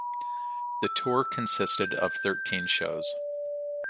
The tour consisted of thirteen shows.